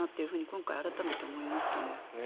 今回、改めて思いましたね。